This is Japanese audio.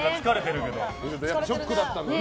ショックだったのかね